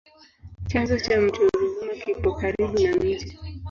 Chanzo cha mto Ruvuma kipo karibu na mji.